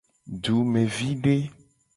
Dumevide.